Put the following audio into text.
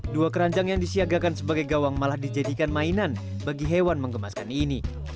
dua keranjang yang disiagakan sebagai gawang malah dijadikan mainan bagi hewan mengemaskan ini